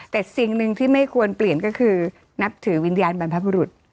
แต่สิ่งหนึ่งที่ไม่ควรเปลี่ยนก็คือนับถือวิญญาณบรรพบุรุษ